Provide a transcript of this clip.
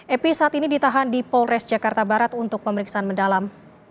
epi saat ini ditahan di polres jakarta barat untuk pemeriksaan mendalam